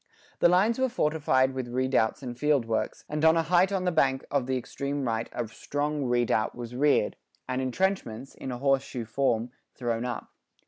The lines were fortified with redoubts and field works, and on a height on the bank of the extreme right a strong redoubt was reared, and entrenchments, in a horse shoe form, thrown up.